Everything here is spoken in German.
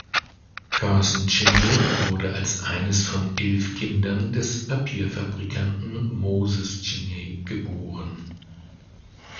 Person Cheney wurde als eines von elf Kindern des Papierfabrikanten Moses Cheney geboren.